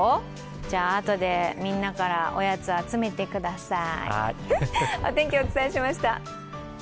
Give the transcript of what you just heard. じゃ、あとでみんなから、おやつ集めてください。